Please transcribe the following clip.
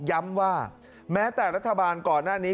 ย้ำว่าแม้แต่รัฐบาลก่อนหน้านี้